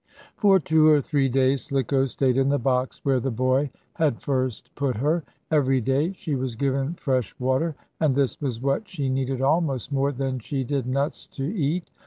For two or three days Slicko stayed in the box where the boy had first put her. Every day she was given fresh water, and this was what she needed almost more than she did nuts to eat.